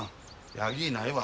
ヤギいないわ。